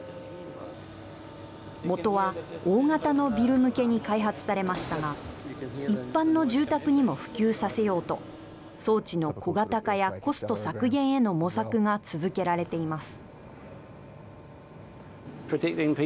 もとは大型のビル向けに開発されましたが一般の住宅にも普及させようと装置の小型化やコスト削減への模索が続けられています。